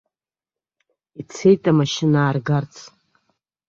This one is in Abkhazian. Ицеит амашьына ааргарц.